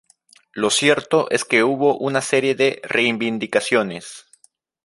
Lo cierto es que hubo una serie de reivindicaciones.